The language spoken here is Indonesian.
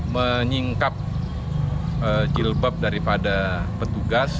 menyingkap jilbab daripada petugas